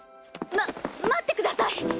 ま待ってください！